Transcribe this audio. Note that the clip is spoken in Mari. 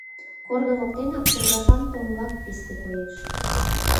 Корно воктенак кӧргашан тоҥгак писте коеш.